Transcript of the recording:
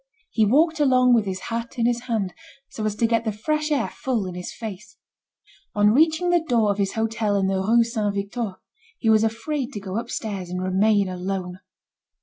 He walked along with his hat in his hand, so as to get the fresh air full in his face. On reaching the door of his hotel in the Rue Saint Victor, he was afraid to go upstairs, and remain alone.